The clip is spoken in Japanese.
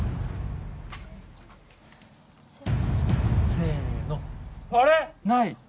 せの。